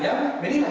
yang mulia memutuskan